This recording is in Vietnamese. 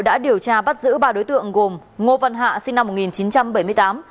đã điều tra bắt giữ ba đối tượng gồm ngô văn hạ sinh năm một nghìn chín trăm bảy mươi tám